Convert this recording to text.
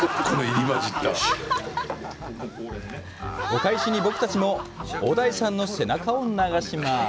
お返しに、僕たちも小田井さんの背中を流します！